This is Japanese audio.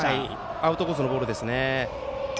アウトコースのボールでしたね。